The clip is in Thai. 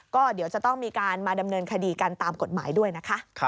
ก็เดี๋ยวจะต้องมีการมาดำเนินคดีกันตามกฎหมายด้วยนะคะ